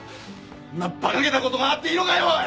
こんなばかげたことがあっていいのかよおい！